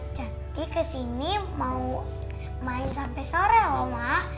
tiara cantik kesini mau main sampe sore lho mak